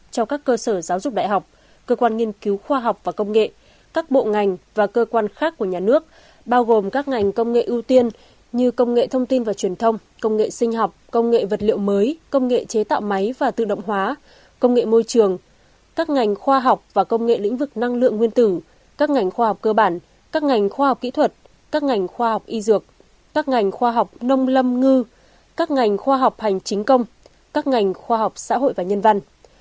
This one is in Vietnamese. bộ giáo dục đại học cơ quan nghiên cứu khoa học và công nghệ các bộ ngành và cơ quan khác của nhà nước bao gồm các ngành công nghệ ưu tiên như công nghệ thông tin và truyền thông công nghệ sinh học công nghệ vật liệu mới công nghệ chế tạo máy và tự động hóa công nghệ môi trường các ngành khoa học và công nghệ lĩnh vực năng lượng nguyên tử các ngành khoa học cơ bản các ngành khoa học kỹ thuật các ngành khoa học y dược các ngành khoa học nông lâm ngư các ngành khoa học hành chính công các ngành khoa học xã hội và nhân văn